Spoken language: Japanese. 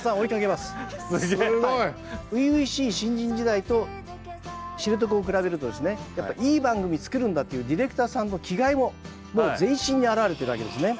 すごい。初々しい新人時代と知床を比べるといい番組作るんだというディレクターさんの気概ももう全身に表れているわけですね。